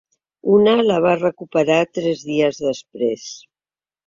Una la va recuperar tres dies després.